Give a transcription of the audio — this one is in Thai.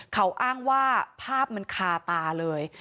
เขาอ้างว่าภาพมันคาตาเลย